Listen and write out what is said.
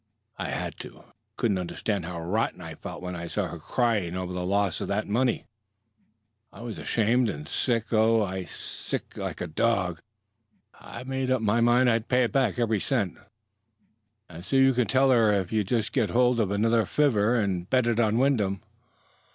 "I had to. You can't understand how rotten I felt when I saw her crying over the loss of that money. I was ashamed and sick oh, sick as a dog! I made up my mind I'd pay it back, every cent." "And so you can if you'll just get hold of another fiver and bet it on Wyndham."